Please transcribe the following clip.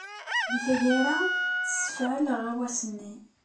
Deg tgara, tessefɛel aɣawas-nni.